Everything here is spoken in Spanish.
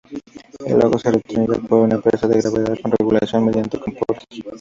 El agua es retenida por una presa de gravedad con regulación mediante compuertas.